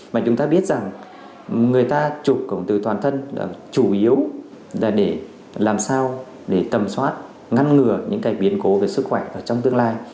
mà chúng ta biết rằng người ta trục cộng hồn từ toàn thân chủ yếu là để làm sao tầm soát ngăn ngừa những biến cố về sức khỏe trong tương lai